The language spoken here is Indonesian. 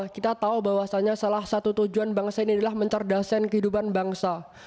kita tahu bahwasannya salah satu tujuan bangsa ini adalah mencerdaskan kehidupan bangsa